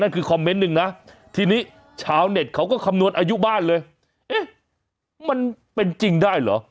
คอมเมนต์หนึ่งนะทีนี้ชาวเน็ตเขาก็คำนวณอายุบ้านเลยเอ๊ะมันเป็นจริงได้เหรอ